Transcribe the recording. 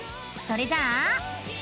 それじゃあ。